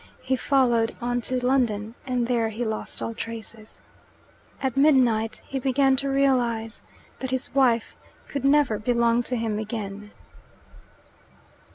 He followed on to London, and there he lost all traces. At midnight he began to realize that his wife could never belong to him again.